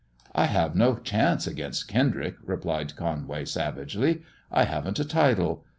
"I have no chance against Kendrick," replied Conway, savagely. " I haven't a title.